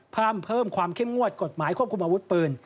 เพิ่มความเข้มงวดกฎหมายควบคุมอาวุธปืน